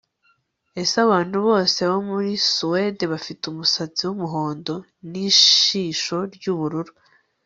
Ese abantu bose bo muri Suwede bafite umusatsi wumuhondo nijisho ryubururu